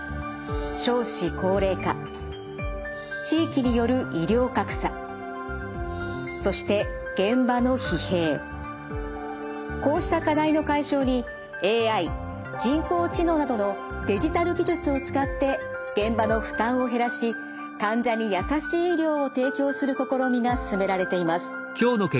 少子高齢化地域による医療格差そしてこうした課題の解消にＡＩ人工知能などのデジタル技術を使って現場の負担を減らし患者に優しい医療を提供する試みが進められています。